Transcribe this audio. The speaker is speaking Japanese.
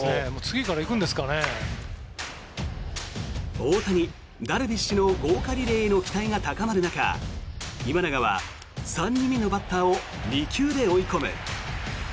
大谷、ダルビッシュの豪華リレーへの期待が高まる中今永は３人目のバッターを２球で追い込む。